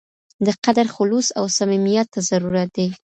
د قدر خلوص او صمیمیت ته ضرورت دی.